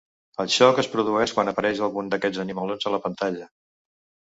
El xoc es produeix quan apareix algun d’aquests animalons a la pantalla.